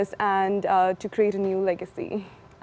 dan menciptakan legasi baru